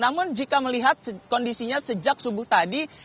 namun jika melihat kondisinya sejak subuh tadi